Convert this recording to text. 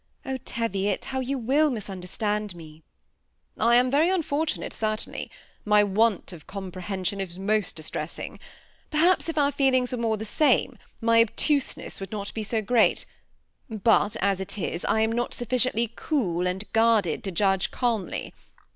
Oh, Teviot, how you wtU misunderstand me I "^ I mn very unfortunate, certainly ; my want of com 86 THE SEMI ATTACHED COUPLE. prehension is most distressing. Perhaps if oar feeliogs were more the same, my obtuseness would not be so great ; but, as it is, I am not sufficiently cool and guarded to judge calmly.